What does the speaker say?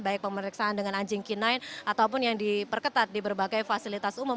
baik pemeriksaan dengan anjing k sembilan ataupun yang diperketat di berbagai fasilitas umum